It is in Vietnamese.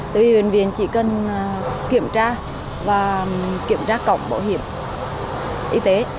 tại vì bệnh viện chỉ cần kiểm tra và kiểm tra cổng bảo hiểm y tế